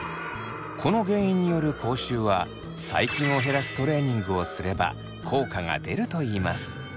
この原因による口臭は細菌を減らすトレーニングをすれば効果が出るといいます。